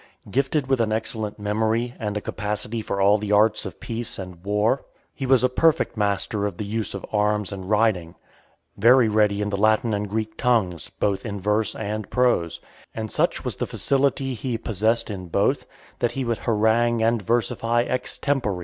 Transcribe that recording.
Gifted with an excellent memory, and a capacity for all the arts of peace and war; he was a perfect master of the use of arms and riding; very ready in the Latin and Greek tongues, both in verse and prose; and such was the facility he possessed in both, that he would harangue and versify extempore.